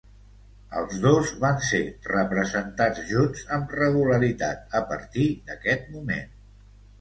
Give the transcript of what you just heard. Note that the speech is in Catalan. Els dos van ser representats junts amb regularitat a partir d'aquest moment.